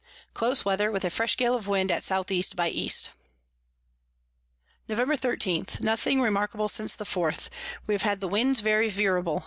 Close Weather, with a fresh Gale of Wind at S E by E. Nov. 13. Nothing remarkable since the fourth. We have had the Winds very veerable.